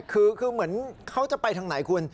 คือเหมือนเขาจะไปทางไหนคุณ